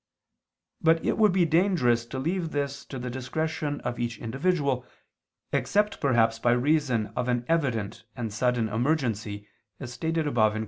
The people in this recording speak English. But it would be dangerous to leave this to the discretion of each individual, except perhaps by reason of an evident and sudden emergency, as stated above (Q.